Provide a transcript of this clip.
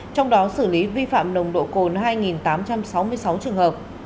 trong đó xử lý vi phạm nồng độ cồn hai tám trăm sáu mươi sáu trường hợp